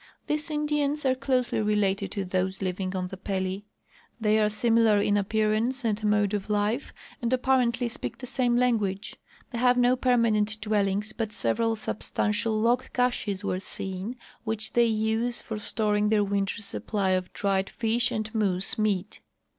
These Indians are closely related to those living on the Pelly. They are similar in appearance and mode of life, and apjaarently speak the same language. They haA^e no permanent dAvellings, but several sub stantial log caches Avere seen, Avhich they use for storing their winter's supply of dried fish and moose meat.